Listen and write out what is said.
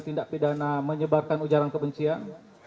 tindak pidana menyebarkan ujaran kebencian